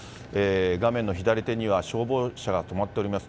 画面の左手には消防車が止まっております。